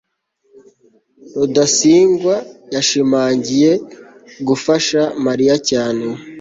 rudasingwa yashimangiye gufasha mariya cyane